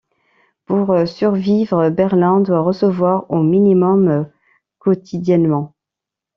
Pour survivre, Berlin doit recevoir au minimum quotidiennement.